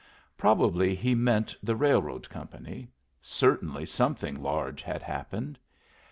Probably he meant the railroad company; certainly something large had happened.